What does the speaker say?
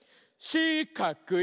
しかくい！